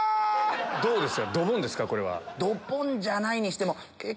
どうです？